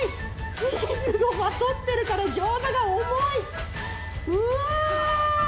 チーズをまとってるからギョーザが重い。